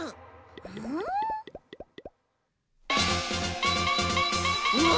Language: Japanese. うん？うわ！